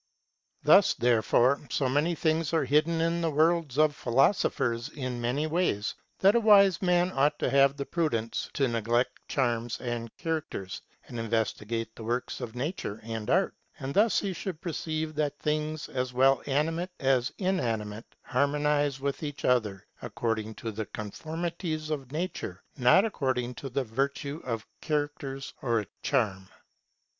Thus, therefore, so many things are hidden in the words of philosophers in many THE NON EXISTENCE OF MAGIC. 847 ways, that a wise man ought to have the prudence to neglect charms and characters, and investigate the works of nature and art ; and thus he should perceive that things, as well animate as inanimate, harmonize with each other according to the con formities of nature, not according to the virtue of characters or a charm.